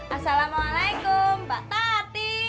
assalamualaikum mbak tati